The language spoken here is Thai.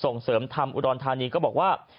ส่งเสริมธรรมอุดรธานีก็บอกว่า